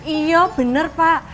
iya bener pak